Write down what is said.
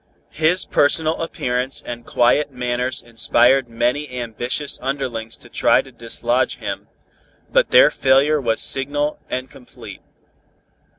His personal appearance and quiet manners inspired many ambitious underlings to try to dislodge him, but their failure was signal and complete.